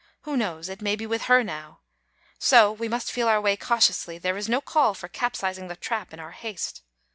" Who knows, it may be with her now? So we must feel our way cautiously; there is no call for capsizing the trap in our haste.